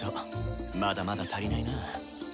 まだまだ足りないな。